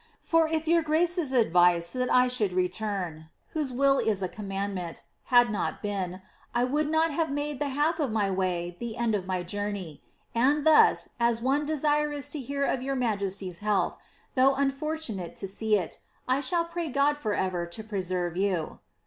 For if your grace's advice that I should reiara (whose ^11 is a commandment) had not been, I would not have made tbe lalf of my way the end of my journey. And thus, as one desirous to hear of your majesty^s health, though unfortunate to see it, I shall pray God Ibr ever ID preserve you.